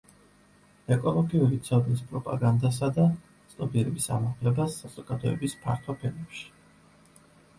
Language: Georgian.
ეკოლოგიური ცოდნის პროპაგანდასა და ცნობიერების ამაღლებას საზოგადოების ფართო ფენებში.